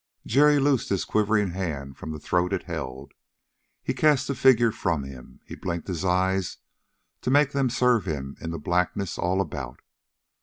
Jerry loosed his quivering hand from the throat it held. He cast the figure from him. And he blinked his eyes to make them serve him in the blackness all about.